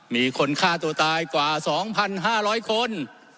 มีคนฆ่าตัวตายกว่า๒๕๐๐คน